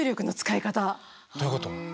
どういうこと？